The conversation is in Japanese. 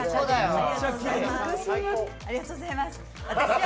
ありがとうございます。